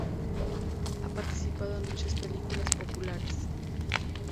Ha participado en muchas películas populares.